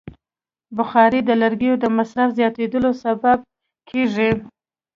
بخاري د لرګیو د مصرف زیاتیدو سبب کېږي.